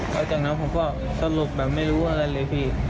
แล้วจากนั้นผมก็สรุปแบบไม่รู้อะไรเลยพี่